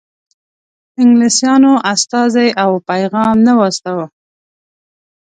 انګلیسیانو استازی او پیغام نه و استاوه.